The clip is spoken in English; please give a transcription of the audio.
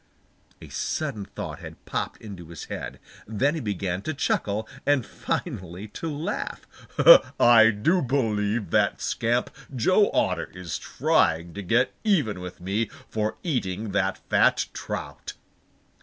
A sudden thought had popped into his head. Then he began to chuckle and finally to laugh. "I do believe that scamp Joe Otter is trying to get even with me for eating that fat trout!"